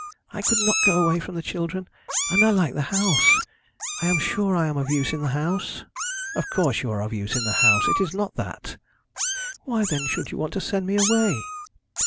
I could not go away from the children. And I like the house. I am sure I am of use in the house.' 'Of course you are of use in the house. It is not that.' 'Why, then, should you want to send me away?'